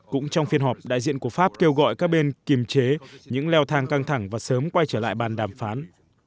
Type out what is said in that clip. cũng trong phiên họp đại diện của pháp kêu gọi các bên kiềm chế những leo thang căng thẳng và sớm quay trở lại bàn đàm phán